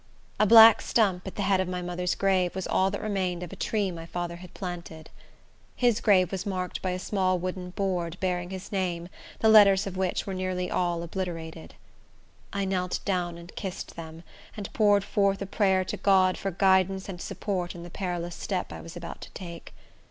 A black stump, at the head of my mother's grave, was all that remained of a tree my father had planted. His grave was marked by a small wooden board, bearing his name, the letters of which were nearly obliterated. I knelt down and kissed them, and poured forth a prayer to God for guidance and support in the perilous step I was about to take.